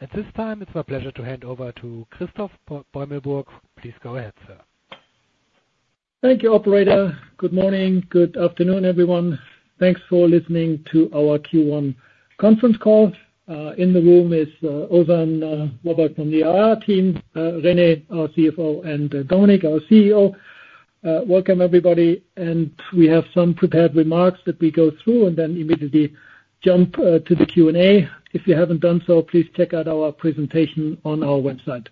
At this time, it's my pleasure to hand over to Christoph Beumelburg. Please go ahead, sir. Thank you, operator. Good morning, good afternoon, everyone. Thanks for listening to our Q1 conference call. In the room is Ozan Kacar from the IR team, René Aldach, our CFO, and Dominik von Achten, our CEO. Welcome, everybody, and we have some prepared remarks that we go through and then immediately jump to the Q&A. If you haven't done so, please check out our presentation on our website.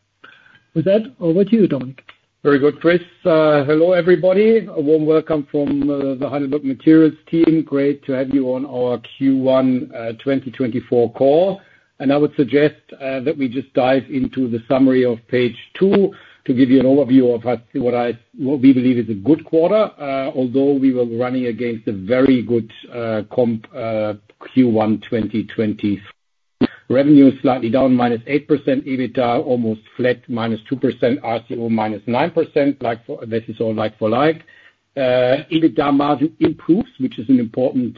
With that, over to you, Dominik. Very good, Chris. Hello, everybody. A warm welcome from the Heidelberg Materials team. Great to have you on our Q1 2024 call. I would suggest that we just dive into the summary of page two to give you an overview of what we believe is a good quarter, although we were running against a very good comp, Q1 2020. Revenue is slightly down, -8%, EBITDA almost flat, -2%, RCO, -9%. Like-for-like, this is all like-for-like. EBITDA margin improves, which is an important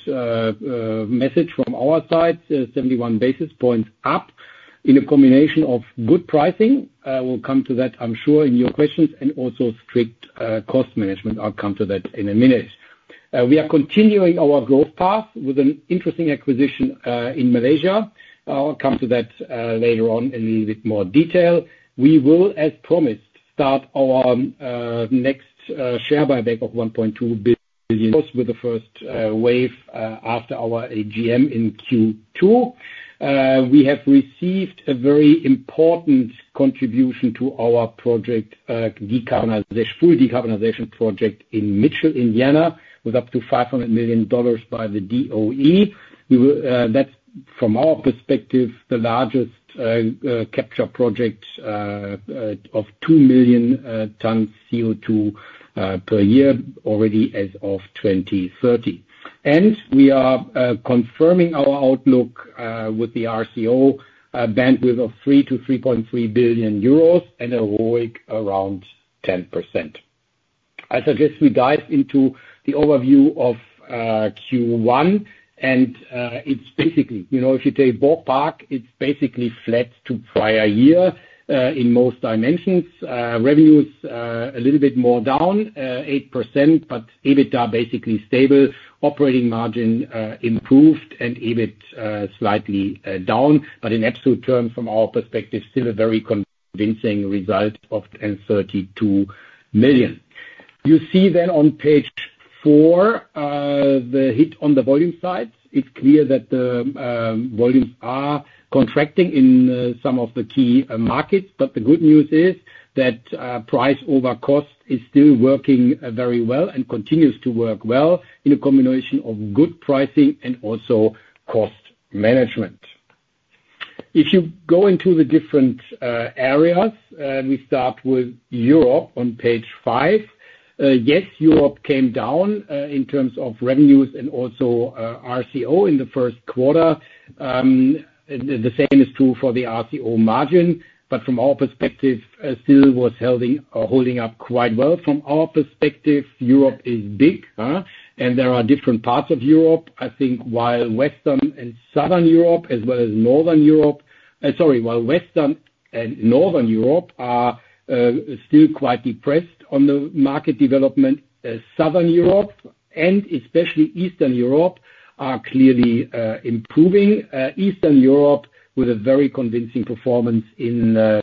message from our side, 71 basis points up in a combination of good pricing. We'll come to that, I'm sure, in your questions and also strict cost management. I'll come to that in a minute. We are continuing our growth path with an interesting acquisition in Malaysia. I'll come to that later on in a little bit more detail. We will, as promised, start our next share buyback of 1.2 billion, with the first wave after our AGM in Q2. We have received a very important contribution to our project, this full decarbonization project in Mitchell, Indiana, with up to $500 million by the DOE. That, from our perspective, the largest capture project of two million tons CO2 per year, already as of 2030. And we are confirming our outlook with the RCO bandwidth of 3 billion-3.3 billion euros and a ROIC around 10%. I suggest we dive into the overview of Q1, and it's basically, you know, if you take ballpark, it's basically flat to prior year in most dimensions. Revenues a little bit more down 8%, but EBITDA are basically stable. Operating margin improved and EBIT slightly down, but in absolute terms, from our perspective, still a very convincing result of 1,032 million. You see then on page four, the hit on the volume side. It's clear that the volumes are contracting in some of the key markets, but the good news is that price over cost is still working very well and continues to work well in a combination of good pricing and also cost management. If you go into the different areas, we start with Europe on page five. Yes, Europe came down in terms of revenues and also RCO in the first quarter. The same is true for the RCO margin, but from our perspective, still was holding up quite well. From our perspective, Europe is big, huh? And there are different parts of Europe. I think while Western and Southern Europe, as well as Northern Europe... while Western and Northern Europe are still quite depressed on the market development, Southern Europe and especially Eastern Europe are clearly improving. Eastern Europe, with a very convincing performance in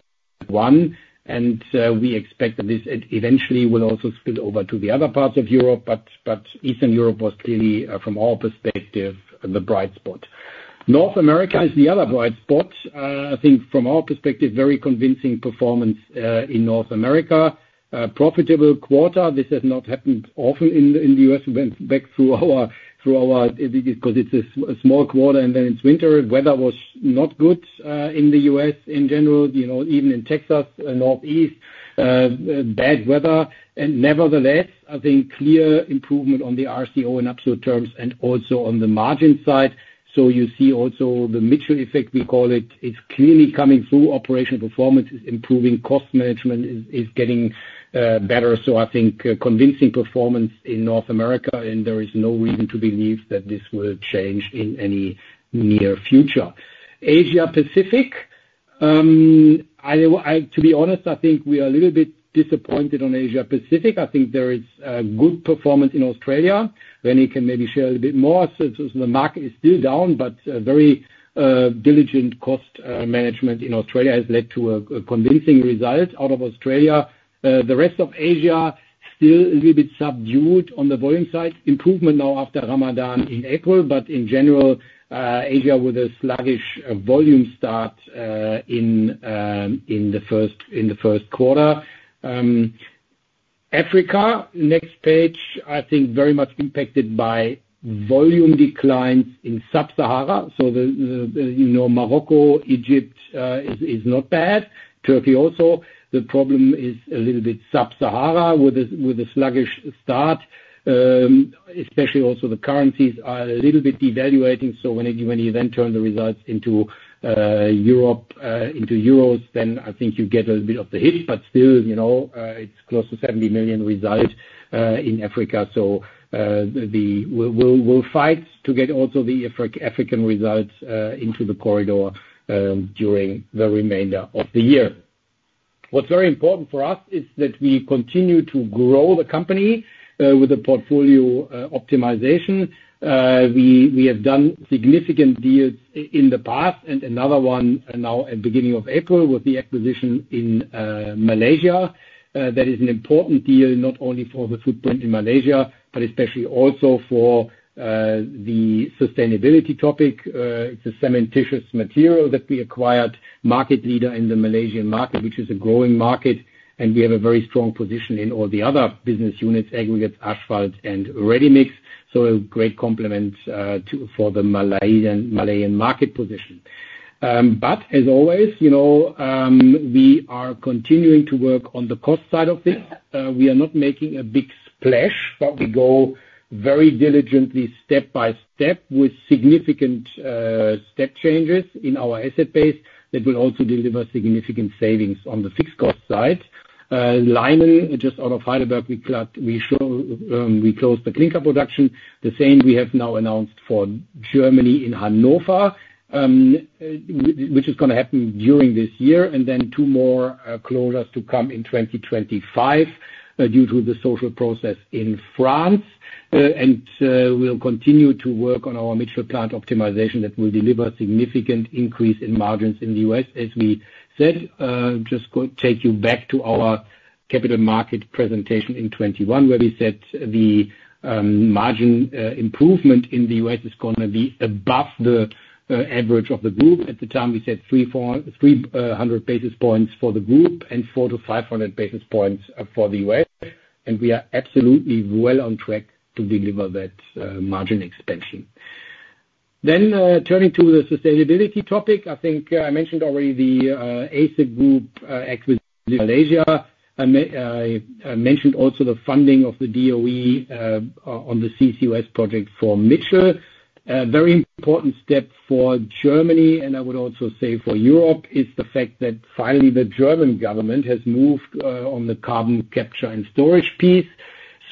Q1, and we expect that this eventually will also spill over to the other parts of Europe, but Eastern Europe was clearly from our perspective, the bright spot. North America is the other bright spot. I think from our perspective, very convincing performance in North America. Profitable quarter, this has not happened often in the U.S., back through our... Because it's a small quarter, and then it's winter. Weather was not good in the U.S. in general, you know, even in Texas, Northeast, bad weather. And nevertheless, I think clear improvement on the RCO in absolute terms and also on the margin side. So you see also the Mitchell effect, we call it, it's clearly coming through. Operational performance is improving, cost management is getting better. So I think a convincing performance in North America, and there is no reason to believe that this will change in any near future. Asia Pacific, to be honest, I think we are a little bit disappointed on Asia Pacific. I think there is a good performance in Australia. René can maybe share a little bit more. The market is still down, but very diligent cost management in Australia has led to a convincing result out of Australia. The rest of Asia, still a little bit subdued on the volume side. Improvement now after Ramadan in April, but in general, Asia with a sluggish volume start in the first quarter. Africa, next page, I think very much impacted by volume declines in Sub-Sahara. So, you know, Morocco, Egypt is not bad. Turkey also. The problem is a little bit Sub-Sahara with a sluggish start, especially also the currencies are a little bit devaluing. So when you then turn the results into Europe, into euros, then I think you get a bit of the hit, but still, you know, it's close to 70 million result in Africa. So the... We'll fight to get also the African results into the corridor during the remainder of the year. What's very important for us is that we continue to grow the company with the portfolio optimization. We have done significant deals in the past and another one now at beginning of April, with the acquisition in Malaysia. That is an important deal, not only for the footprint in Malaysia, but especially also for the sustainability topic. It's a cementitious material that we acquired, market leader in the Malaysian market, which is a growing market, and we have a very strong position in all the other business units, aggregate, asphalt, and ready mix. So a great complement to the Malaysian market position. But as always, you know, we are continuing to work on the cost side of this. We are not making a big splash, but we go very diligently, step by step, with significant step changes in our asset base that will also deliver significant savings on the fixed cost side. Leimen, just out of Heidelberg, we closed the clinker production. The same we have now announced for Germany in Hanover, which is gonna happen during this year, and then two more closures to come in 2025, due to the social process in France. We'll continue to work on our Mitchell plant optimization that will deliver significant increase in margins in the U.S., as we said. Just to take you back to our capital market presentation in 2021, where we said the margin improvement in the U.S. is gonna be above the average of the group. At the time, we said 300-400 basis points for the group, and 400-500 basis points for the U.S., and we are absolutely well on track to deliver that margin expansion. Then, turning to the sustainability topic, I think I mentioned already the ASIC group acquisition in Malaysia. I mentioned also the funding of the DOE on the CCU.S. project for Mitchell. A very important step for Germany, and I would also say for Europe, is the fact that finally, the German government has moved on the carbon capture and storage piece.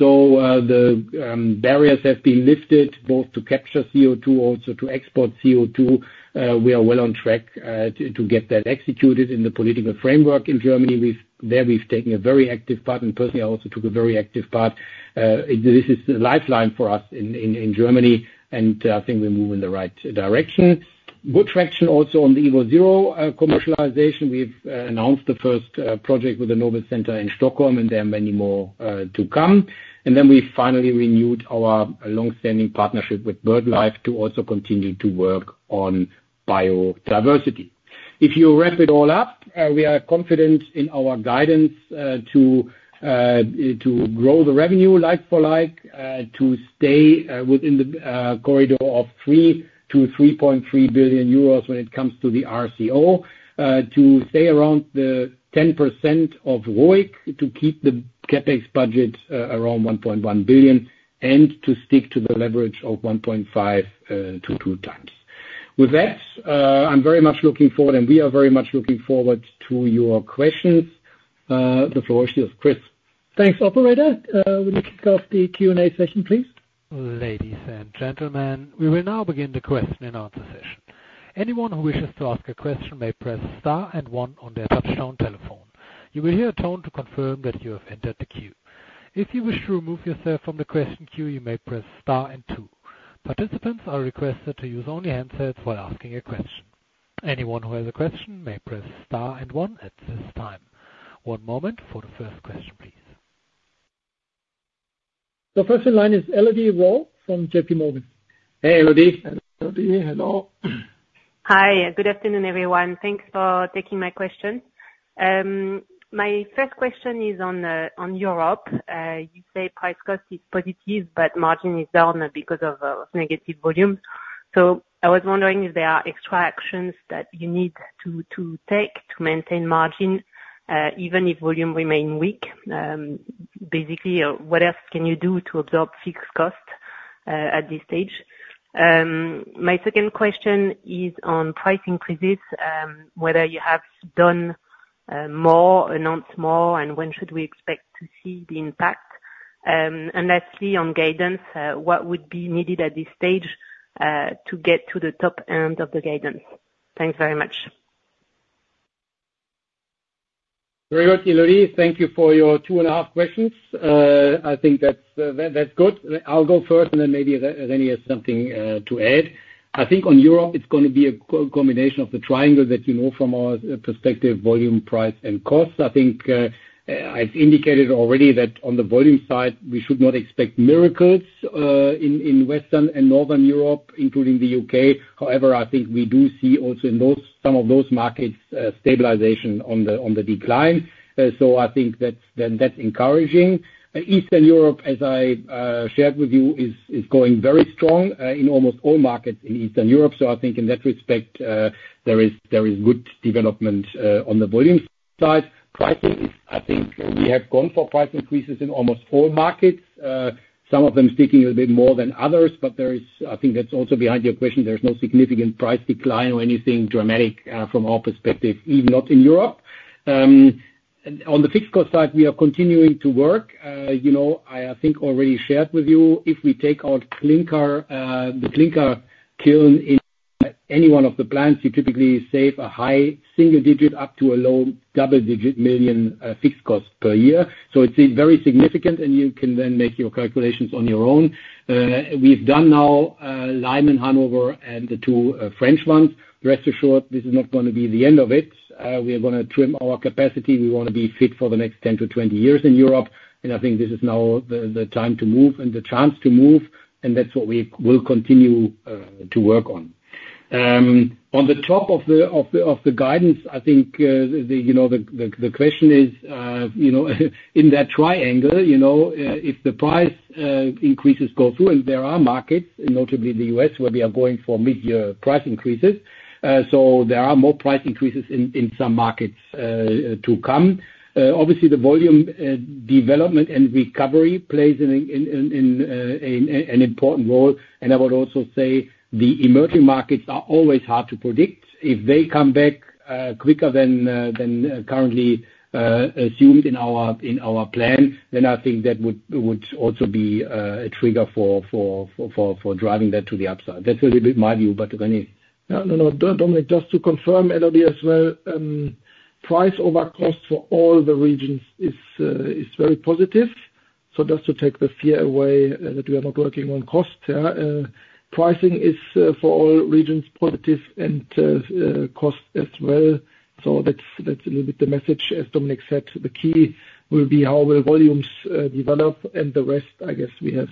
So, the barriers have been lifted, both to capture CO2, also to export CO2. We are well on track to get that executed in the political framework in Germany. We've taken a very active part, and personally, I also took a very active part. This is the lifeline for us in Germany, and I think we're moving in the right direction. Good traction also on the EvoZero commercialization. We've announced the first project with the Nobel Center in Stockholm, and there are many more to come. And then we finally renewed our longstanding partnership with BirdLife to also continue to work on biodiversity. If you wrap it all up, we are confident in our guidance to grow the revenue like for like, to stay within the corridor of 3 billion-3.3 billion euros when it comes to the RCO, to stay around the 10% of ROIC, to keep the CapEx budget around 1.1 billion, and to stick to the leverage of 1.5x-2x. With that, I'm very much looking forward, and we are very much looking forward to your questions. The floor is yours, Chris. Thanks, operator. Will you kick off the Q&A session, please? Ladies and gentlemen, we will now begin the question and answer session. Anyone who wishes to ask a question may press star and one on their touchtone telephone. You will hear a tone to confirm that you have entered the queue. If you wish to remove yourself from the question queue, you may press star and two. Participants are requested to use only handsets while asking a question. Anyone who has a question may press star and one at this time. One moment for the first question, please. The first in line is Elodie Rall from J.P. Morgan. Hey, Elodie. Elodie, hello. Hi, good afternoon, everyone. Thanks for taking my question. My first question is on Europe. You say price cost is positive, but margin is down because of negative volumes. So I was wondering if there are extra actions that you need to take to maintain margin, even if volume remain weak? Basically, what else can you do to absorb fixed costs at this stage? My second question is on price increases, whether you have done more, announced more, and when should we expect to see the impact? And lastly, on guidance, what would be needed at this stage to get to the top end of the guidance? Thanks very much. Very well, Elodie. Thank you for your two and a half questions. I think that's, that, that's good. I'll go first, and then maybe René has something to add. I think on Europe, it's gonna be a combination of the triangle that you know from our perspective, volume, price, and cost. I think, I've indicated already that on the volume side, we should not expect miracles in Western and Northern Europe, including the U.K.. However, I think we do see also in those, some of those markets, stabilization on the decline. So I think that, then that's encouraging. Eastern Europe, as I shared with you, is going very strong in almost all markets in Eastern Europe. So I think in that respect, there is good development on the volume side. Pricing is, I think we have gone for price increases in almost all markets, some of them sticking a little bit more than others, but there is... I think that's also behind your question, there's no significant price decline or anything dramatic, from our perspective, even not in Europe. And on the fixed cost side, we are continuing to work. You know, I think already shared with you, if we take out clinker, the clinker kiln in any one of the plants, you typically save a high single-digit up to a low double-digit million fixed cost per year. So it's very significant, and you can then make your calculations on your own. We've done now, Leimen, Hanover, and the two French ones. Rest assured, this is not gonna be the end of it. We are gonna trim our capacity. We wanna be fit for the next 10-20 years in Europe, and I think this is now the time to move and the chance to move, and that's what we will continue to work on. On the top of the guidance, I think, you know, the question is, you know, in that triangle, you know, if the price increases go through, and there are markets, notably the U.S., where we are going for mid-year price increases. So there are more price increases in some markets to come. Obviously, the volume development and recovery plays an important role. And I would also say the emerging markets are always hard to predict. If they come back quicker than currently assumed in our plan, then I think that would also be a trigger for driving that to the upside. That's a little bit my view, but René? No, no, no. Dominik, just to confirm LOB as well, price over cost for all the regions is very positive. So just to take the fear away that we are not working on cost, yeah. Pricing is for all regions positive and cost as well. So that's a little bit the message. As Dominik said, the key will be how will volumes develop, and the rest, I guess, we have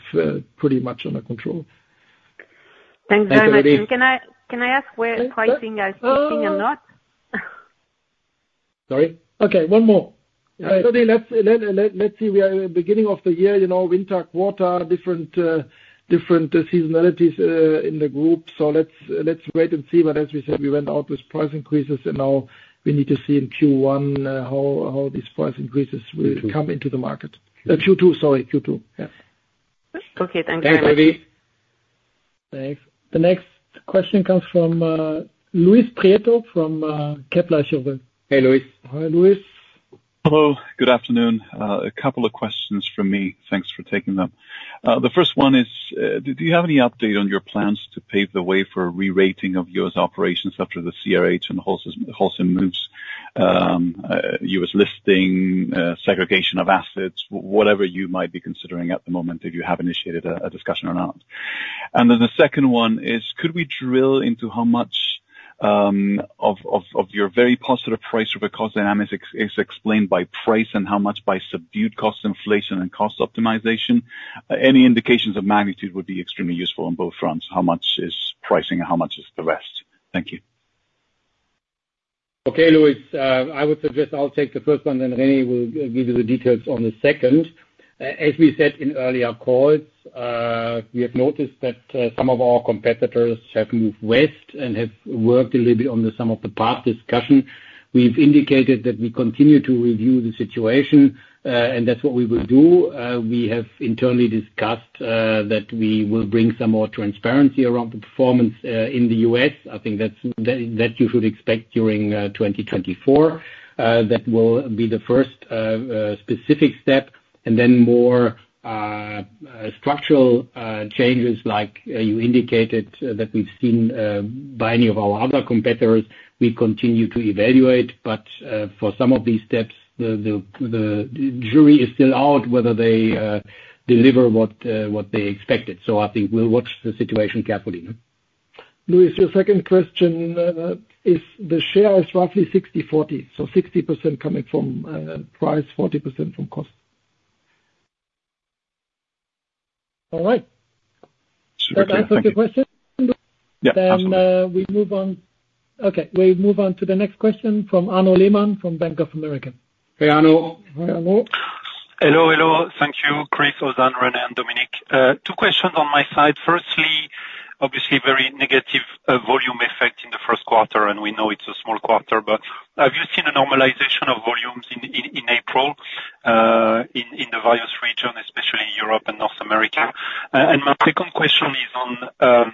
pretty much under control. Thanks very much. Thank you, Dave. Can I, can I ask where pricing is sitting or not? Sorry. Okay, one more. So let's, let's see, we are in the beginning of the year, you know, winter quarter, different seasonalities in the group. So let's, let's wait and see. But as we said, we went out with price increases, and now we need to see in Q1 how these price increases will come into the market. Q2. Q2, sorry, Q2. Yes. Okay, thank you. Thanks, Dave. Thanks. The next question comes from Luis Prieto from Kepler Cheuvreux. Hey, Luis. Hi, Luis. Hello, good afternoon. A couple of questions from me. Thanks for taking them. The first one is, do you have any update on your plans to pave the way for a re-rating of U.S. operations after the CRH and the Holcim, Holcim moves? U.S. listing, segregation of assets, whatever you might be considering at the moment, if you have initiated a discussion or not. And then the second one is, could we drill into how much of your very positive price over cost dynamics ex- is explained by price and how much by subdued cost inflation and cost optimization? Any indications of magnitude would be extremely useful on both fronts. How much is pricing and how much is the rest? Thank you. Okay, Luis, I would suggest I'll take the first one, and then René will give you the details on the second. As we said in earlier calls, we have noticed that some of our competitors have moved west and have worked a little bit on some of the past discussion. We've indicated that we continue to review the situation, and that's what we will do. We have internally discussed that we will bring some more transparency around the performance in the U.S.. I think that's that you should expect during 2024. That will be the first specific step, and then more structural changes, like you indicated that we've seen by any of our other competitors. We continue to evaluate, but for some of these steps, the jury is still out whether they deliver what they expected. So I think we'll watch the situation carefully. Luis, your second question is the share is roughly 60/40, so 60% coming from price, 40% from cost. All right. Super clear, thank you. That answers your question, Luis? Yeah, absolutely. Then, we move on. Okay, we move on to the next question from Arnaud Lehmann, from Bank of America. Hey, Arnaud. Hi, Arnaud. Hello, hello. Thank you, Chris, Ozan, René, and Dominic. Two questions on my side. Firstly, obviously, very negative volume effect in the first quarter, and we know it's a small quarter, but have you seen a normalization of volumes in April in the various region, especially Europe and North America? And my second question is on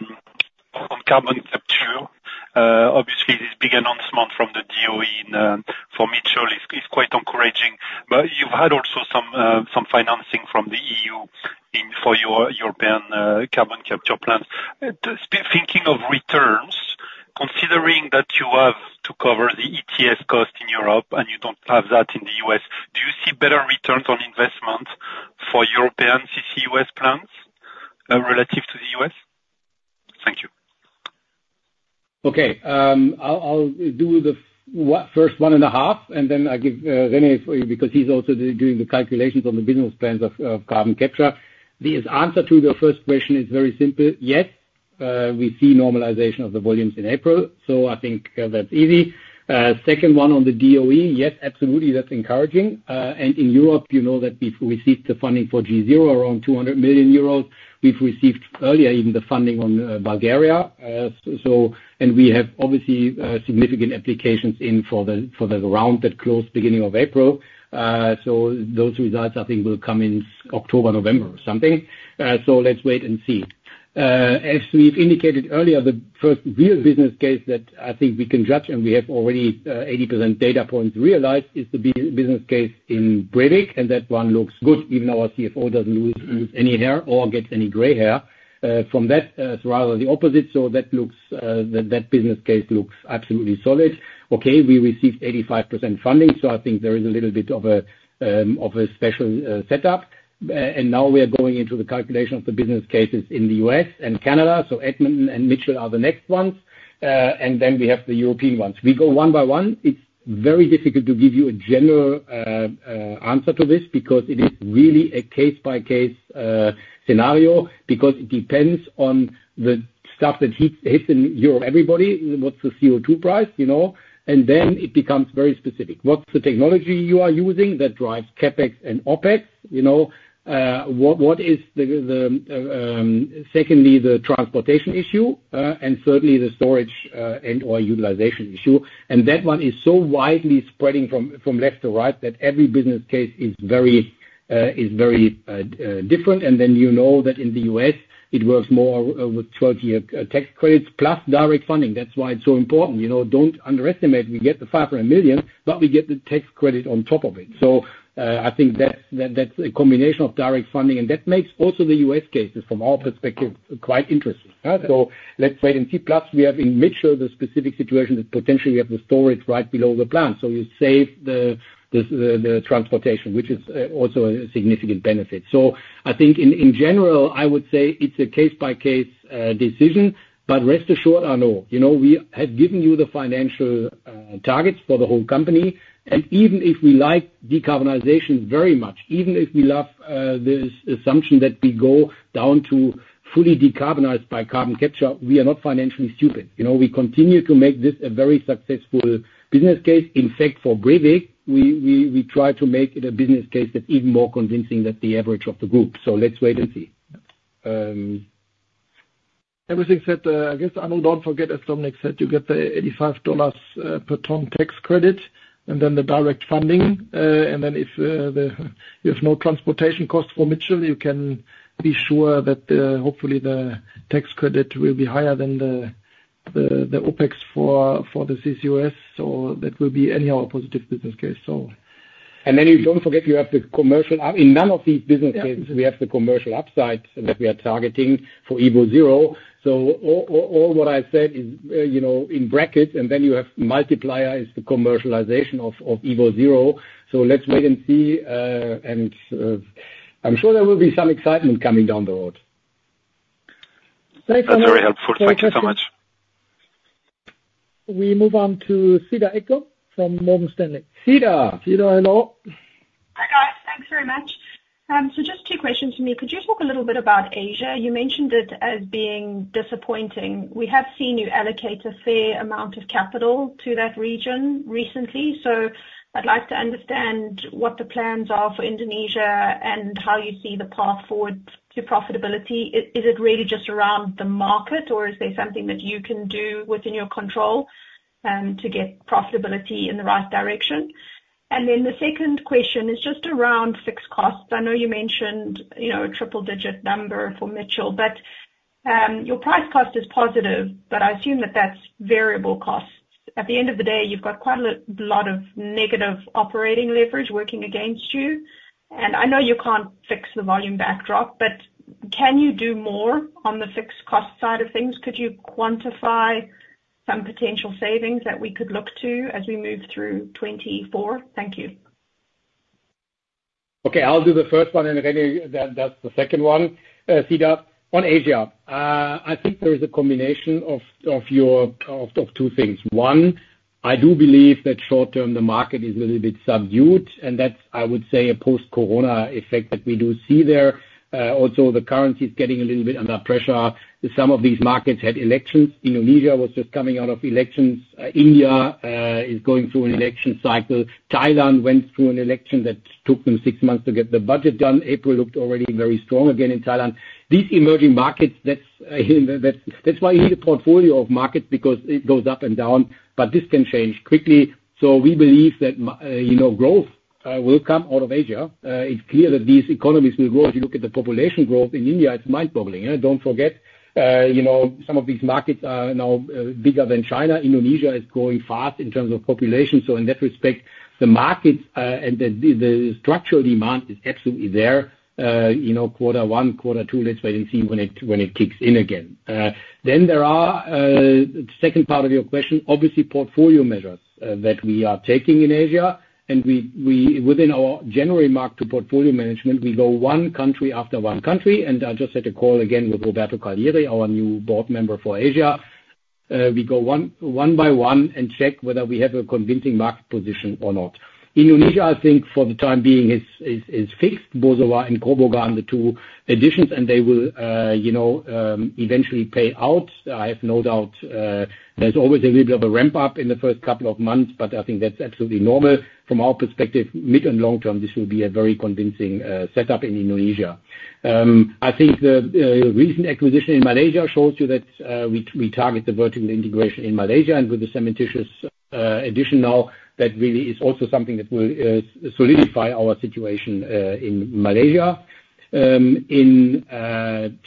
carbon capture. Obviously, this big announcement from the DOE for Mitchell is quite encouraging, but you've had also some financing from the EU for your European carbon capture plans. Still thinking of returns, considering that you have to cover the ETS cost in Europe and you don't have that in the U.S., do you see better returns on investment for European CCU.S. plants relative to the U.S.? Thank you. Okay, I'll do the first one and a half, and then I give René to you, because he's also doing the calculations on the business plans of carbon capture. The answer to your first question is very simple: Yes, we see normalization of the volumes in April, so I think that's easy. Second one on the DOE, yes, absolutely, that's encouraging. And in Europe, you know that we've received the funding for GeZero, around 200 million euros. We've received earlier even the funding on Bulgaria. So, and we have obviously significant applications in for the round that closed beginning of April. So those results, I think, will come in October, November or something. So let's wait and see. As we've indicated earlier, the first real business case that I think we can judge, and we have already 80% data points realized, is the business case in Brevik, and that one looks good, even our CFO doesn't lose any hair or get any gray hair from that, it's rather the opposite. So that looks, that business case looks absolutely solid. Okay, we received 85% funding, so I think there is a little bit of a of a special setup. And now we are going into the calculation of the business cases in the U.S. and Canada. So Edmonton and Mitchell are the next ones. And then we have the European ones. We go one by one. It's very difficult to give you a general answer to this, because it is really a case-by-case scenario, because it depends on the stuff that hits in Europe, everybody. What's the CO2 price, you know? And then it becomes very specific. What's the technology you are using that drives CapEx and OpEx, you know? What is the, secondly, the transportation issue, and certainly the storage and/or utilization issue. And that one is so widely spreading from left to right, that every business case is very different. And then, you know that in the U.S., it works more with 12-year tax credits plus direct funding. That's why it's so important. You know, don't underestimate, we get the $500 million, but we get the tax credit on top of it. So, I think that, that's a combination of direct funding, and that makes also the U.S. cases, from our perspective, quite interesting, so let's wait and see. Plus, we have in Mitchell, the specific situation that potentially we have the storage right below the plant, so we save the transportation, which is also a significant benefit. So I think in general, I would say it's a case-by-case decision, but rest assured, Arno, you know, we have given you the financial targets for the whole company. And even if we like decarbonization very much, even if we love this assumption that we go down to fully decarbonized by carbon capture, we are not financially stupid. You know, we continue to make this a very successful business case. In fact, for Brevik, we try to make it a business case that's even more convincing than the average of the group. So let's wait and see. Everything said, I guess, Arnaud, don't forget, as Dominik said, you get the $85 per ton tax credit, and then the direct funding. And then if you have no transportation costs for Mitchell, you can be sure that hopefully the tax credit will be higher than the OpEx for the CCUS, so that will be anyhow a positive business case, so. And then you don't forget, you have the commercial. In none of these business cases, we have the commercial upside that we are targeting for EvoZero. So all, all, all what I said is, you know, in brackets, and then you have multiplier is the commercialization of EvoZero. So let's wait and see, and I'm sure there will be some excitement coming down the road. Thanks a lot. That's very helpful. Thank you so much. We move on to Cedar Ekblom from Morgan Stanley. Cedar! Cedar, hello. Hi, guys. Thanks very much. So just two questions for me. Could you talk a little bit about Asia? You mentioned it as being disappointing. We have seen you allocate a fair amount of capital to that region recently, so I'd like to understand what the plans are for Indonesia and how you see the path forward to profitability. Is, is it really just around the market, or is there something that you can do within your control, to get profitability in the right direction? And then the second question is just around fixed costs. I know you mentioned, you know, a triple-digit number for Mitchell, but, your price cost is positive, but I assume that that's variable costs. At the end of the day, you've got quite a lot of negative operating leverage working against you. I know you can't fix the volume backdrop, but can you do more on the fixed cost side of things? Could you quantify some potential savings that we could look to as we move through 2024? Thank you. Okay, I'll do the first one, and then, René, then that's the second one. Cedar, on Asia. I think there is a combination of two things. One, I do believe that short term, the market is a little bit subdued, and that's, I would say, a post-COVID effect that we do see there. Also, the currency is getting a little bit under pressure. Some of these markets had elections. Indonesia was just coming out of elections. India is going through an election cycle. Thailand went through an election that took them six months to get the budget done. April looked already very strong again in Thailand. These emerging markets, that's why you need a portfolio of markets, because it goes up and down, but this can change quickly. So we believe that, you know, growth will come out of Asia. It's clear that these economies will grow. If you look at the population growth in India, it's mind-boggling. Don't forget, you know, some of these markets are now bigger than China. Indonesia is growing fast in terms of population. So in that respect, the markets and the structural demand is absolutely there. You know, quarter one, quarter two, let's wait and see when it kicks in again. Then there are the second part of your question, obviously, portfolio measures that we are taking in Asia, and we within our January mark to portfolio management, we go one country after one country, and I just had a call again with Roberto Carlier, our new board member for Asia. We go one by one and check whether we have a convincing market position or not. Indonesia, I think, for the time being, is fixed. Bosowa and Grobogan are the two additions, and they will, you know, eventually pay out. I have no doubt, there's always a little bit of a ramp-up in the first couple of months, but I think that's absolutely normal. From our perspective, mid and long term, this will be a very convincing setup in Indonesia. I think the recent acquisition in Malaysia shows you that, we target the vertical integration in Malaysia and with the cementitious addition now, that really is also something that will solidify our situation in Malaysia. In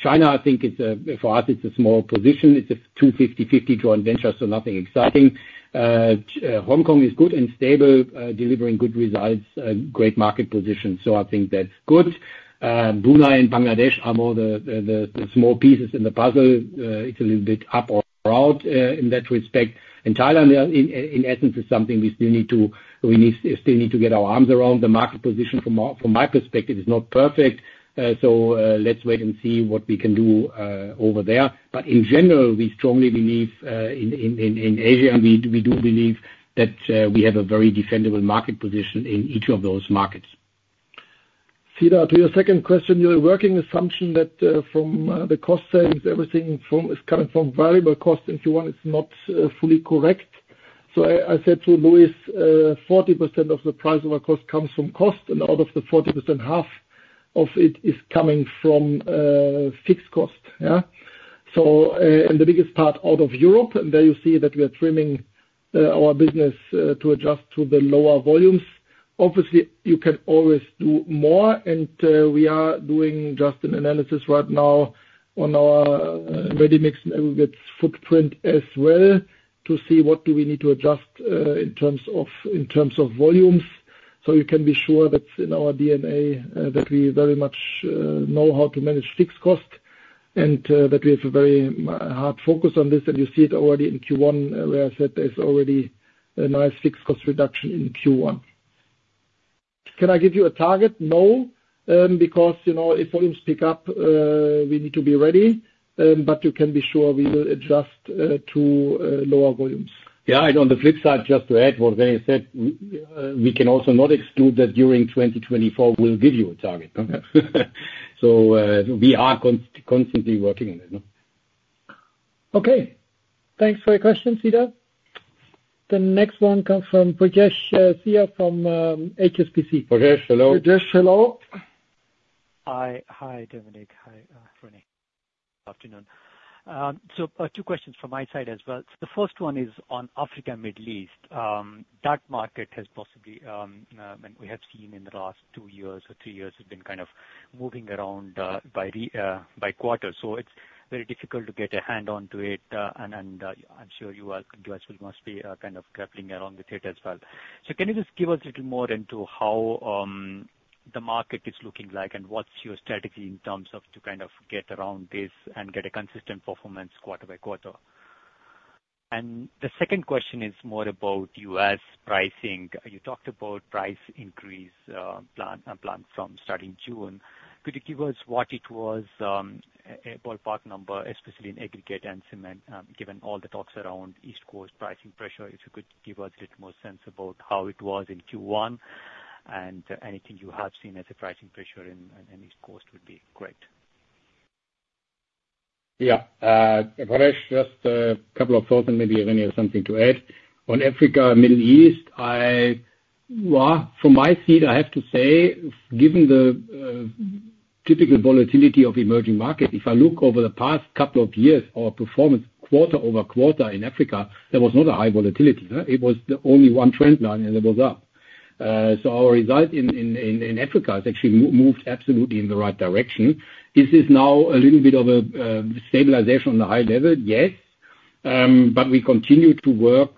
China, I think it's a, for us, it's a small position. It's a 50/50 joint venture, so nothing exciting. Hong Kong is good and stable, delivering good results, great market position, so I think that's good. Brunei and Bangladesh are more the small pieces in the puzzle. It's a little bit up or out, in that respect. And Thailand, in essence, is something we still need to get our arms around. The market position from my perspective, is not perfect, so let's wait and see what we can do, over there. But in general, we strongly believe in Asia, and we do believe that we have a very defendable market position in each of those markets. Cedar, to your second question, your working assumption that from the cost savings, everything from is coming from variable costs, if you want, it's not fully correct. So I said to Luis, 40% of the price of our cost comes from cost, and out of the 40%, half of it is coming from fixed costs, yeah? So, and the biggest part out of Europe, and there you see that we are trimming our business to adjust to the lower volumes. Obviously, you can always do more, and we are doing just an analysis right now on our ready-mix and aggregates footprint as well, to see what do we need to adjust in terms of volumes. So you can be sure that's in our DNA, that we very much know how to manage fixed costs, and that we have a very hard focus on this. And you see it already in Q1, where I said there's already a nice fixed cost reduction in Q1. Can I give you a target? No. Because, you know, if volumes pick up, we need to be ready, but you can be sure we will adjust to lower volumes. Yeah, and on the flip side, just to add what René said, we can also not exclude that during 2024, we'll give you a target. So, we are constantly working on it, no? Okay. Thanks for your question, Cedar. The next one comes from Rajesh Kumar Ravi from HDFC. Rajesh, hello. Rajesh, hello? Hi. Hi, Dominik. Hi, René. Afternoon. So, two questions from my side as well. The first one is on Africa and Middle East. That market has possibly, and we have seen in the last two years or three years, have been kind of moving around, by re- by quarter. So it's very difficult to get a hand onto it, and, and, I'm sure you are- you as well must be, kind of grappling around with it as well. So can you just give us a little more into how, the market is looking like and what's your strategy in terms of to kind of get around this and get a consistent performance quarter by quarter? And the second question is more about U.S. pricing. You talked about price increase, plan, plan from starting June. Could you give us what it was, a ballpark number, especially in aggregate and cement, given all the talks around East Coast pricing pressure, if you could give us a little more sense about how it was in Q1, and anything you have seen as a pricing pressure in East Coast would be great. Yeah. Rajesh, just a couple of thoughts, and maybe René has something to add. On Africa and Middle East, well, from my seat, I have to say, given the typical volatility of emerging market, if I look over the past couple of years, our performance quarter over quarter in Africa, there was not a high volatility, huh? It was the only one trend line, and it was up. So our result in Africa has actually moved absolutely in the right direction. This is now a little bit of a stabilization on the high level, yes, but we continue to work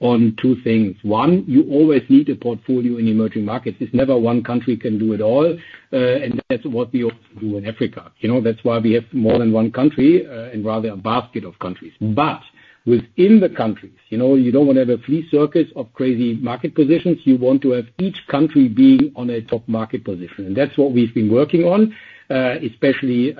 on two things: One, you always need a portfolio in emerging markets. It's never one country can do it all, and that's what we also do in Africa. You know, that's why we have more than one country, and rather a basket of countries. But within the countries, you know, you don't want to have a flea circus of crazy market positions. You want to have each country being on a top market position, and that's what we've been working on, especially,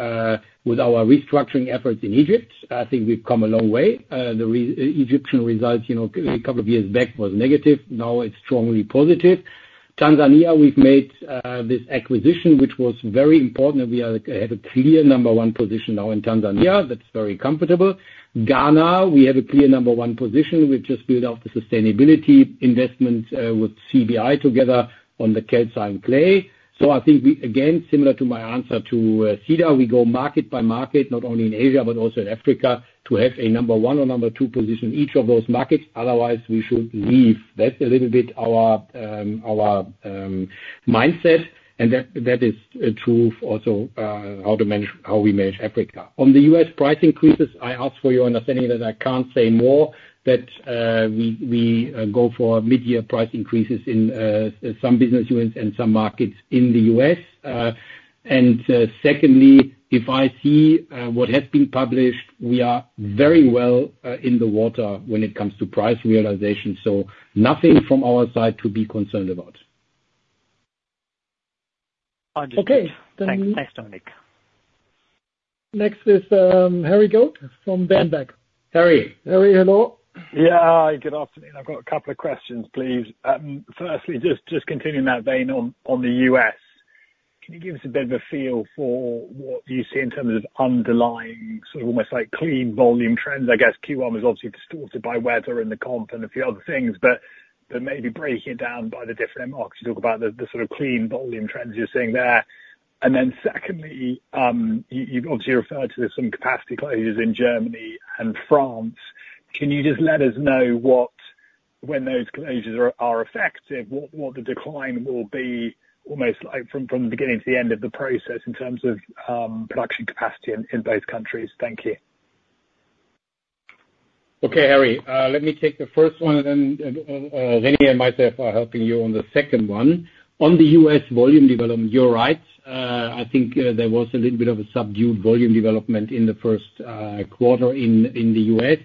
with our restructuring efforts in Egypt. I think we've come a long way. The Egyptian results, you know, a couple of years back was negative, now it's strongly positive. Tanzania, we've made this acquisition, which was very important, and we have a clear number one position now in Tanzania, that's very comfortable. Ghana, we have a clear number one position. We've just built out the sustainability investment with CBI together on the calcined clay. So I think we, again, similar to my answer to Cedar, we go market by market, not only in Asia but also in Africa, to have a number one or number two position in each of those markets, otherwise we should leave. That's a little bit our mindset, and that is true also how we manage Africa. On the U.S. price increases, I ask for your understanding that I can't say more, but we go for mid-year price increases in some business units and some markets in the U.S. And secondly, if I see what has been published, we are very well in the water when it comes to price realization, so nothing from our side to be concerned about. Understood. Okay. Thanks, thanks, Dominic. Next is Harry Goad from Berenberg. Harry. Harry, hello? Yeah. Hi, good afternoon. I've got a couple of questions, please. Firstly, just, just continuing that vein on, on the U.S., can you give us a bit of a feel for what you see in terms of underlying, sort of almost like clean volume trends? I guess Q1 was obviously distorted by weather and the comp and a few other things, but, but maybe breaking it down by the different markets. You talk about the, the sort of clean volume trends you're seeing there. And then secondly, you, you've obviously referred to some capacity closures in Germany and France. Can you just let us know when those closures are, are effective, what, what the decline will be, almost like from, from the beginning to the end of the process, in terms of, production capacity in, in both countries? Thank you. Okay, Harry. Let me take the first one, and then René and myself are helping you on the second one. On the U.S. volume development, you're right. I think there was a little bit of a subdued volume development in the first quarter in the U.S.,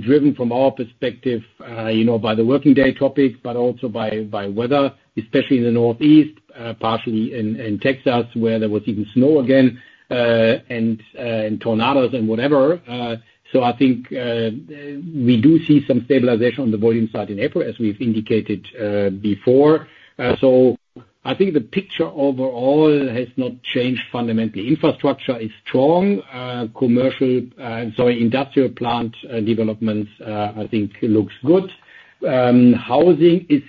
driven from our perspective, you know, by the working day topic, but also by weather, especially in the Northeast, partially in Texas, where there was even snow again, and tornadoes and whatever. So I think we do see some stabilization on the volume side in April, as we've indicated before. So I think the picture overall has not changed fundamentally. Infrastructure is strong, commercial, sorry, industrial plant developments, I think looks good. Housing is,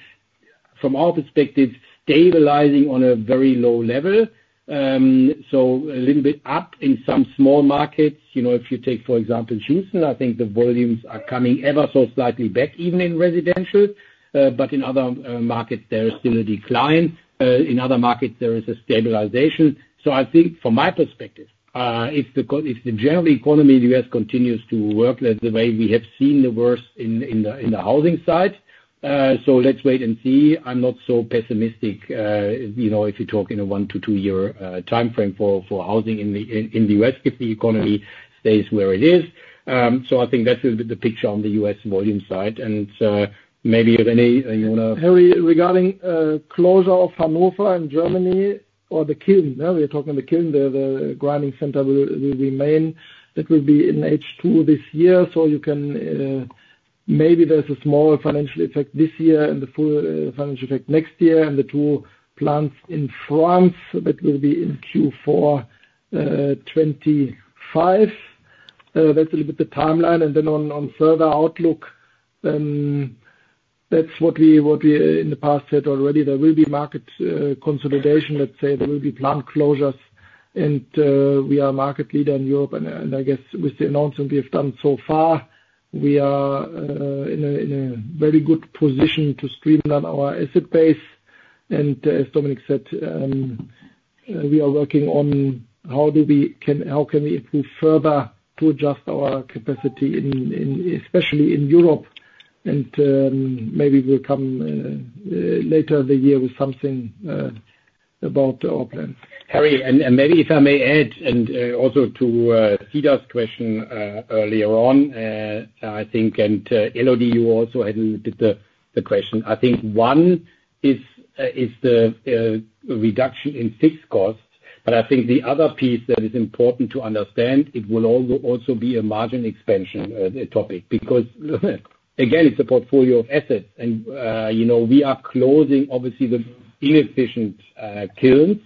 from our perspective, stabilizing on a very low level. So a little bit up in some small markets. You know, if you take, for example, Houston, I think the volumes are coming ever so slightly back, even in residential. But in other markets, there is still a decline. In other markets, there is a stabilization. So I think from my perspective, if the general economy in the U.S. continues to work the way we have seen the worst in the housing side, so let's wait and see. I'm not so pessimistic, you know, if you talk in a one- to two-year timeframe for housing in the U.S., if the economy stays where it is. So I think that's a bit the picture on the U.S. volume side. Maybe, René, you wanna- Harry, regarding closure of Hanover in Germany or the kiln, now we're talking the kiln, the grinding center will remain. That will be in H2 this year, so you can maybe there's a smaller financial effect this year and the full financial effect next year, and the two plants in France, that will be in Q4 2025. That's a little bit the timeline. And then on further outlook, that's what we in the past said already, there will be market consolidation. Let's say there will be plant closures, and we are market leader in Europe, and I guess with the announcement we have done so far, we are in a very good position to streamline our asset base. As Dominik said, we are working on how can we improve further to adjust our capacity especially in Europe, and maybe we'll come later in the year with something about our plan. Harry, and maybe if I may add, also to Cedar's question earlier on, I think, Elodie, you also had a little bit of the question. I think one is the reduction in fixed costs, but I think the other piece that is important to understand; it will also be a margin expansion topic. Because, again, it's a portfolio of assets, and you know, we are closing obviously the inefficient kilns,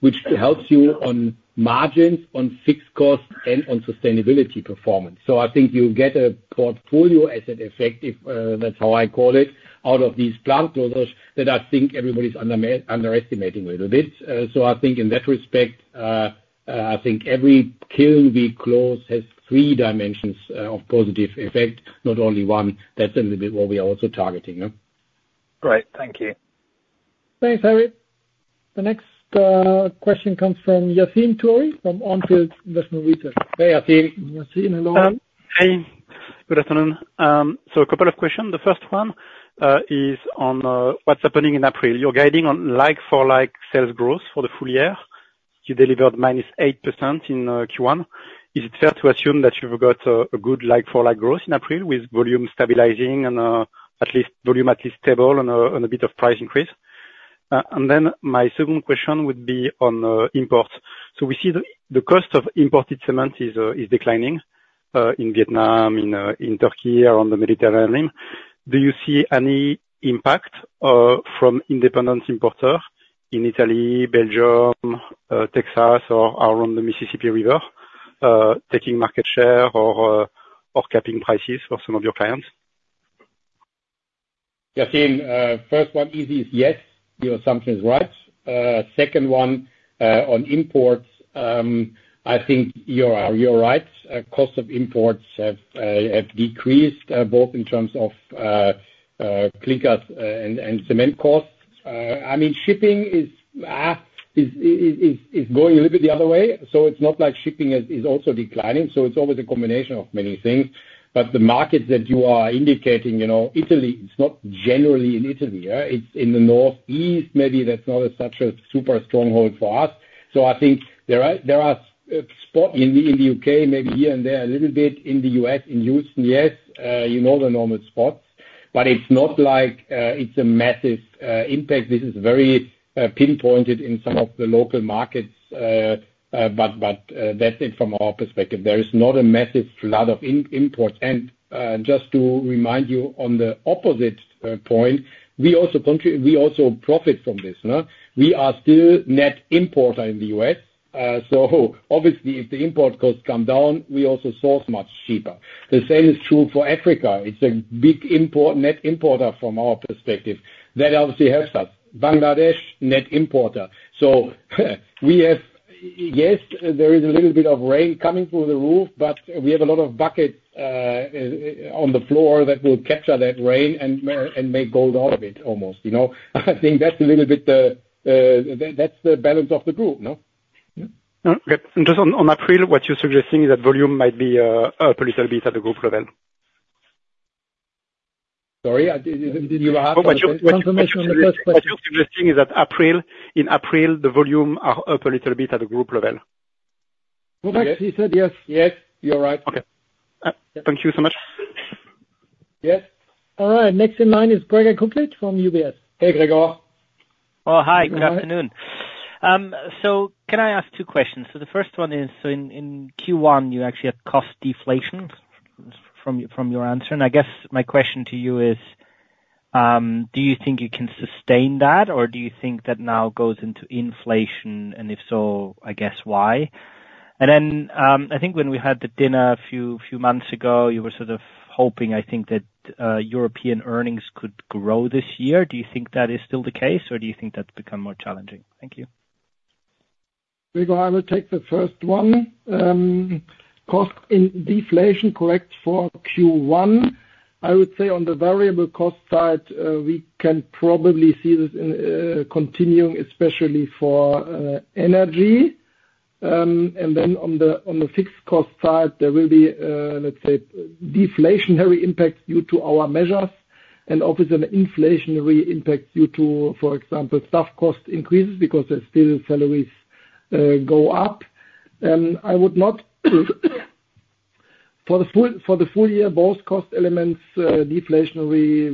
which helps you on margins, on fixed costs, and on sustainability performance. So I think you'll get a portfolio asset effect, if that's how I call it, out of these plant closures, that I think everybody's underestimating a little bit. So I think in that respect, I think every kiln we close has three dimensions of positive effect, not only one. That's a little bit what we are also targeting, yeah? Great, thank you. Thanks, Harry. The next question comes from Yassine Touahri, from Onfield Investment Research. Hey, Yassine. Yaseen, hello. Hi. Good afternoon. So a couple of questions. The first one is on what's happening in April. You're guiding on like-for-like sales growth for the full year. You delivered minus 8% in Q1. Is it fair to assume that you've got a good like-for-like growth in April, with volume stabilizing and at least volume stable and a bit of price increase? And then my second question would be on imports. So we see the cost of imported cement is declining in Vietnam, in Turkey, around the Mediterranean. Do you see any impact from independent importer in Italy, Belgium, Texas, or around the Mississippi River taking market share or capping prices for some of your clients? Yassine, first one easy is yes, your assumption is right. Second one, on imports, I think you are right. Cost of imports have decreased, both in terms of clinkers and cement costs. I mean, shipping is going a little bit the other way, so it's not like shipping is also declining. So it's always a combination of many things. But the markets that you are indicating, you know, Italy, it's not generally in Italy, yeah? It's in the Northeast, maybe that's not such a super stronghold for us. So I think there are spots in the U.K., maybe here and there, a little bit in the U.S., in Houston, yes, you know the normal spots, but it's not like it's a massive impact. This is very pinpointed in some of the local markets. But that's it from our perspective. There is not a massive flood of imports. And just to remind you, on the opposite point, we also profit from this, no? We are still net importer in the U.S., so obviously, if the import costs come down, we also source much cheaper. The same is true for Africa. It's a big net importer from our perspective. That obviously helps us. Bangladesh, net importer. So we have-... Yes, there is a little bit of rain coming through the roof, but we have a lot of buckets on the floor that will capture that rain and make gold out of it, almost, you know? I think that's a little bit, that's the balance of the group, no? No, okay. And just on, on April, what you're suggesting is that volume might be up a little bit at the group level? Sorry, I did. Did you ask confirmation on the first place? What you're suggesting is that April, in April, the volume are up a little bit at the group level. Well, he said yes. Yes, you're right. Okay. Thank you so much. Yes. All right, next in line is Gregor Kuglitsch from UBS. Hey, Gregor. Oh, hi, good afternoon. So can I ask two questions? So the first one is, so in Q1, you actually had cost deflation from your answer. And I guess my question to you is, do you think you can sustain that, or do you think that now goes into inflation? And if so, I guess why? And then, I think when we had the dinner a few months ago, you were sort of hoping, I think, that European earnings could grow this year. Do you think that is still the case, or do you think that's become more challenging? Thank you. Gregor, I will take the first one. Cost in deflation, correct, for Q1, I would say on the variable cost side, we can probably see this in continuing, especially for energy. And then on the fixed cost side, there will be, let's say, deflationary impact due to our measures, and obviously an inflationary impact due to, for example, staff cost increases because still salaries go up. For the full year, both cost elements, deflationary,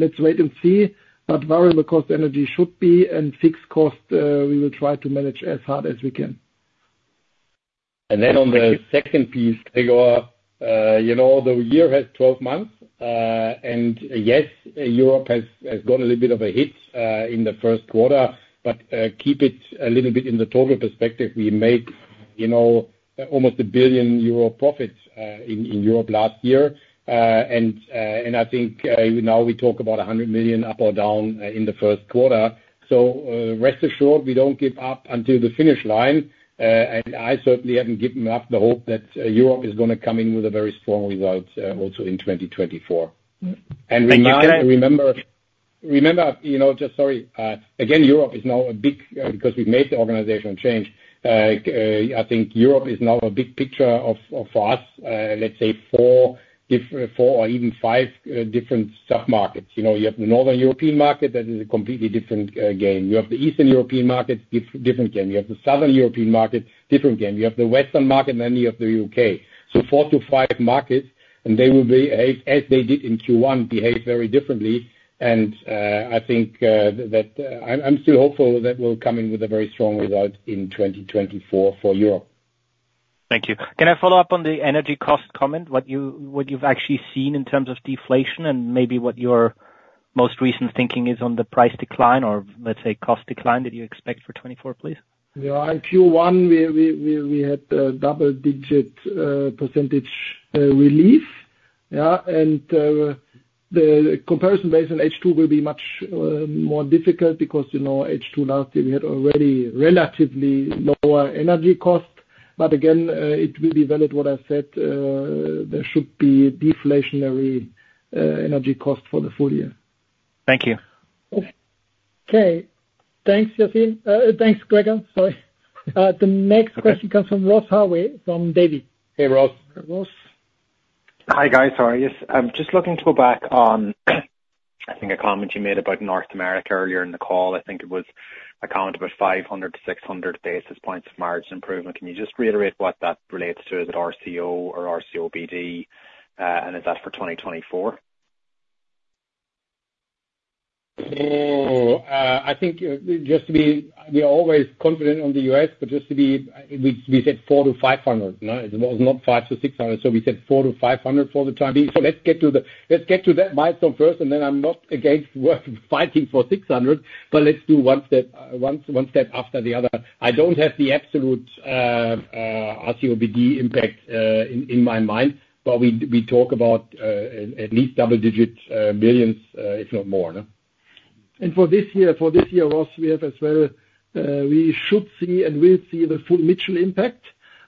let's wait and see. But variable cost, energy should be, and fixed cost, we will try to manage as hard as we can. And then on the second piece, Gregor, you know, the year has 12 months. And yes, Europe has got a little bit of a hit in the first quarter, but keep it a little bit in the total perspective. We made, you know, almost 1 billion euro profits in Europe last year. And I think now we talk about 100 million up or down in the first quarter. So rest assured, we don't give up until the finish line. And I certainly haven't given up the hope that Europe is gonna come in with a very strong result also in 2024. Thank you. Remember, you know, just sorry, again, Europe is now a big picture. Because we've made the organizational change, I think Europe is now a big picture of, for us, let's say four or even five different sub-markets. You know, you have the Northern European market, that is a completely different game. You have the Eastern European market, different game. You have the Southern European market, different game. You have the Western market, and then you have the U.K.. So four to five markets, and they will behave as they did in Q1, behave very differently. And I think that I'm still hopeful that we'll come in with a very strong result in 2024 for Europe. Thank you. Can I follow up on the energy cost comment, what you, what you've actually seen in terms of deflation, and maybe what your most recent thinking is on the price decline, or let's say, cost decline, that you expect for 2024, please? Yeah, in Q1, we had double-digit percentage relief. Yeah, and the comparison based on H2 will be much more difficult because, you know, H2 last year, we had already relatively lower energy costs. But again, it will be valid what I said, there should be deflationary energy cost for the full year. Thank you. Okay. Thanks, Yassine. Thanks, Gregor. Sorry. The next question comes from Ross Harvey from Davy. Hey, Ross. Ross? Hi, guys, how are you? I'm just looking to go back on, I think a comment you made about North America earlier in the call. I think it was a comment about 500-600 basis points of margin improvement. Can you just reiterate what that relates to? Is it RCO or RCOBD, and is that for 2024? Oh, I think just to be... We are always confident on the U.S., but just to be, we said 400-500, no? It was not 500-600. So we said 400-500 for the time being. So let's get to the, let's get to that milestone first, and then I'm not against work, fighting for 600, but let's do one step, one step after the other. I don't have the absolute RCOBD impact in my mind, but we talk about at least double digits billions, if not more, no? And for this year, for this year, Ross, we have as well, we should see and will see the full Mitchell impact,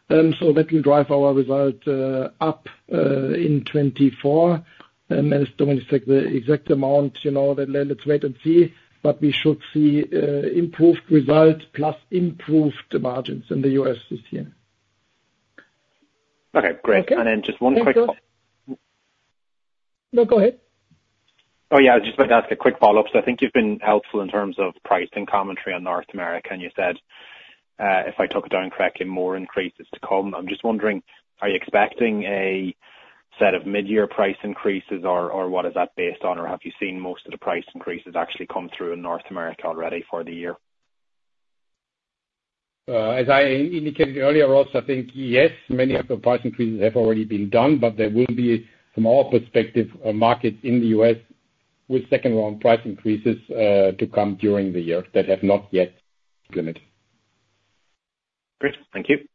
so that will drive our result up in 2024. And as Dominic said, the exact amount, you know, then let's wait and see, but we should see improved results plus improved margins in the U.S. this year. Okay, great. Okay. Then just one quick- No, go ahead. Oh, yeah, I just wanted to ask a quick follow-up. So I think you've been helpful in terms of pricing commentary on North America, and you said, if I took it down correctly, more increases to come. I'm just wondering, are you expecting a set of mid-year price increases, or, or what is that based on? Or have you seen most of the price increases actually come through in North America already for the year? As I indicated earlier, Ross, I think, yes, many of the price increases have already been done, but there will be, from our perspective, a market in the U.S. with second-round price increases to come during the year that have not yet been met. Great. Thank you.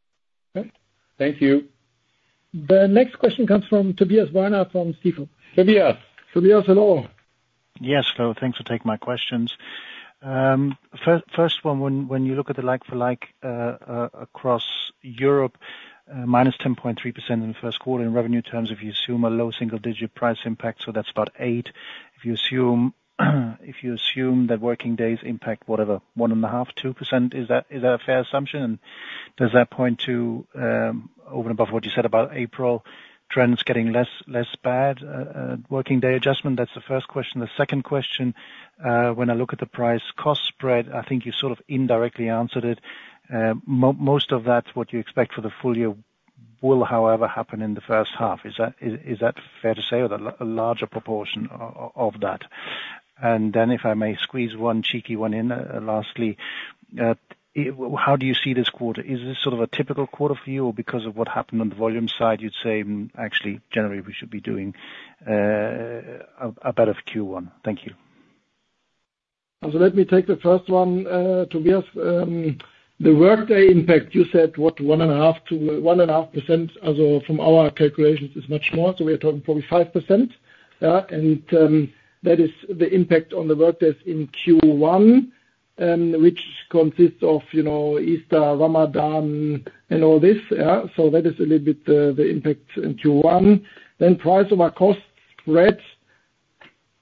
Thank you.... The next question comes from Tobias Woerner from Stifel. Tobias. Tobias, hello. Yes, hello. Thanks for taking my questions. First one, when you look at the like-for-like across Europe, -10.3% in the first quarter in revenue terms, if you assume a low single digit price impact, so that's about eight. If you assume that working days impact, whatever, 1.5-2%, is that a fair assumption? And does that point to, over and above what you said about April trends getting less bad, working day adjustment? That's the first question. The second question, when I look at the price cost spread, I think you sort of indirectly answered it. Most of that, what you expect for the full year, will, however, happen in the first half. Is that fair to say, or a larger proportion of that? And then, if I may squeeze one cheeky one in, lastly, how do you see this quarter? Is this sort of a typical quarter for you? Or because of what happened on the volume side, you'd say, actually, generally, we should be doing a better Q1. Thank you. And so let me take the first one, Tobias. The work day impact, you said, what? 1.5%-1.5%, as of—from our calculations, is much more, so we are talking probably 5%. And that is the impact on the work days in Q1, which consists of, you know, Easter, Ramadan, and all this, yeah. So that is a little bit, the impact in Q1. Then price of our cost spread.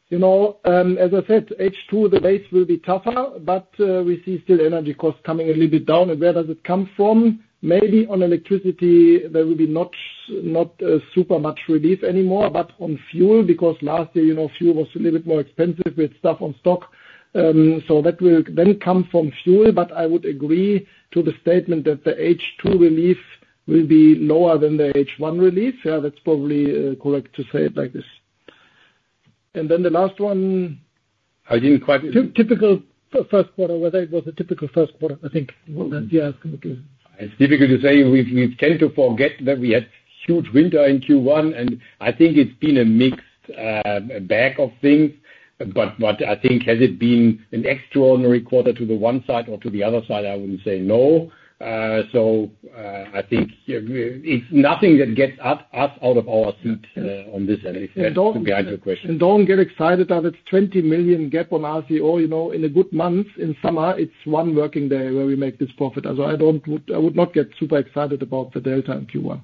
You know, as I said, H2, the base will be tougher, but we see still energy costs coming a little bit down. And where does it come from? Maybe on electricity, there will be not, not, super much relief anymore, but on fuel, because last year, you know, fuel was a little bit more expensive with stuff on stock. So that will then come from fuel, but I would agree to the statement that the H2 relief will be lower than the H1 relief. Yeah, that's probably correct to say it like this. And then the last one- I didn't quite- Typical first quarter, whether it was a typical first quarter, I think, well, then, yeah, it's gonna be. It's difficult to say. We've tended to forget that we had huge winter in Q1, and I think it's been a mixed bag of things. But I think, has it been an extraordinary quarter to the one side or to the other side? I wouldn't say no. So, I think it's nothing that gets us out of our seat on this anything, to answer your question. Don't get excited about it, 20 million gap on RCO, you know, in a good month, in summer, it's one working day where we make this profit. As I would not get super excited about the delta in Q1.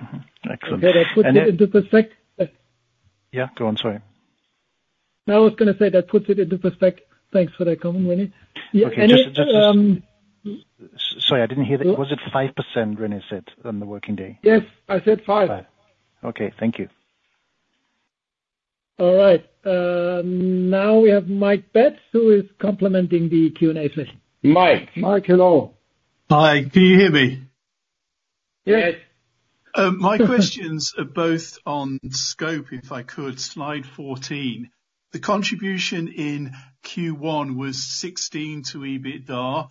Mm-hmm. Excellent. And then- That puts it into perspective. Yeah, go on. Sorry. I was gonna say that puts it into perspective. Thanks for that comment, René. Okay. Just, just, sorry, I didn't hear that. Was it 5%, René said, on the working day? Yes, I said five. 5. Okay, thank you. All right, now we have Mike Betts, who is complementing the Q&A session. Mike. Mike, hello. Hi, can you hear me? Yes. Yes. My questions are both on scope, if I could, slide 14. The contribution in Q1 was 16 million to EBITDA.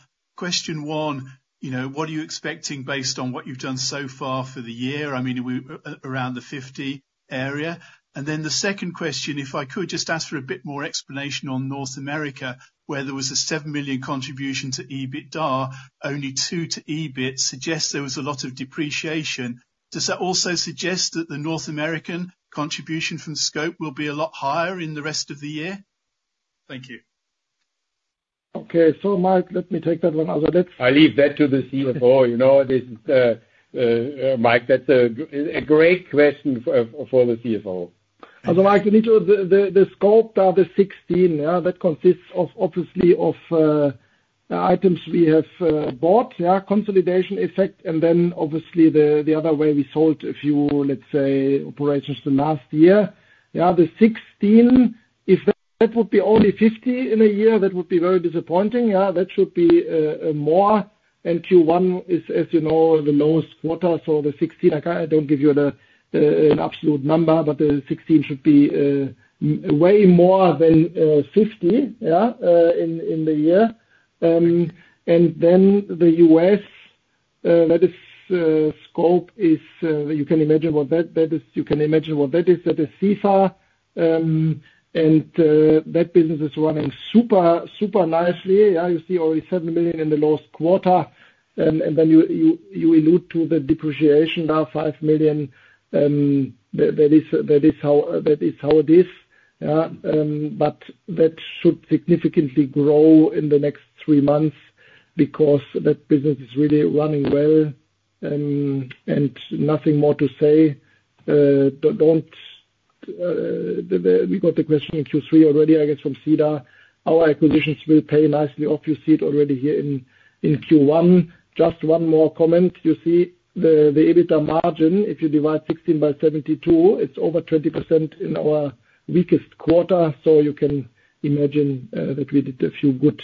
Question one, you know, what are you expecting based on what you've done so far for the year? I mean, are we around the 50 area? And then the second question, if I could just ask for a bit more explanation on North America, where there was a 7 million contribution to EBITDA, only 2 million to EBIT, suggests there was a lot of depreciation. Does that also suggest that the North American contribution from scope will be a lot higher in the rest of the year? Thank you. Okay. So, Mike, let me take that one. Also, that's- I leave that to the CFO. You know, this, Mike, that's a great question for the CFO. So, Mike, you need to... The scope are the 16, yeah, that consists of obviously of items we have bought, yeah, consolidation effect, and then obviously, the other way, we sold a few, let's say, operations the last year. Yeah, the 16, if that would be only 50 in a year, that would be very disappointing. Yeah, that should be more, and Q1 is, as you know, the lowest quarter, so the 16. I can't, I don't give you an absolute number, but the 16 should be way more than 50, yeah, in the year. And then the U.S., that is scope is, you can imagine what that is. You can imagine what that is. That is SEFA, and that business is running super, super nicely. You see only 7 million in the last quarter. And then you allude to the depreciation, now 5 million, that is how it is, but that should significantly grow in the next three months, because that business is really running well. And nothing more to say. Don't. We got the question in Q3 already, I guess, from Cedar. Our acquisitions will pay nicely off. You see it already here in Q1. Just one more comment, you see the EBITDA margin, if you divide 16 by 72, it's over 20% in our weakest quarter. So you can imagine that we did a few good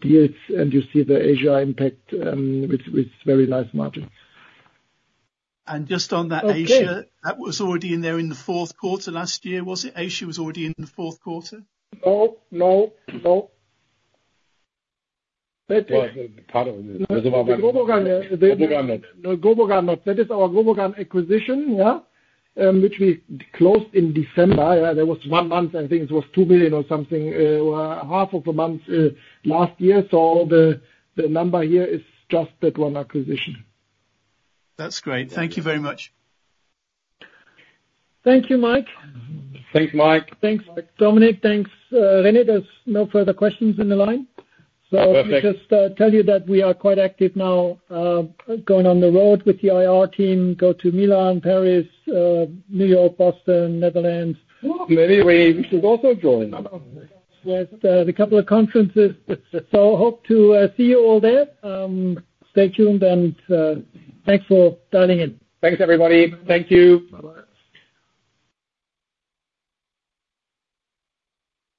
deals, and you see the Asia impact with very nice margins. Just on that Asia- Okay. -that was already in there in the fourth quarter last year, was it? Asia was already in the fourth quarter? No, no, no. That- Part of it. No, Globogan- Globogan not. No, Grobogan not. That is our Grobogan acquisition, yeah, which we closed in December. There was one month, I think it was two million or something, half of a month, last year. So the number here is just that one acquisition. That's great. Thank you very much. Thank you, Mike. Thanks, Mike. Thanks, Dominik. Thanks, René. There's no further questions in the line. Perfect. Let me just tell you that we are quite active now, going on the road with the IR team. Go to Milan, Paris, New York, Boston, Netherlands. Oh, maybe we should also join. Yes, a couple of conferences. So hope to see you all there. Stay tuned and thanks for dialing in. Thanks, everybody. Thank you. Bye-bye.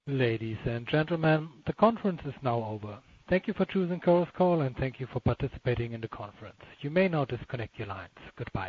Ladies and gentlemen, the conference is now over. Thank you for choosing Chorus Call, and thank you for participating in the conference. You may now disconnect your lines. Goodbye.